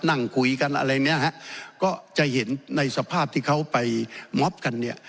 นั่งคุยกันอะไรเนี้ยฮะก็จะเห็นในสภาพที่เขาไปมอบกันเนี่ย